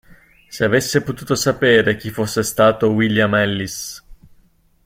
Se avesse potuto sapere chi fosse stato William Ellis!